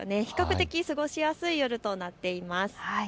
比較的過ごしやすい夜となっています。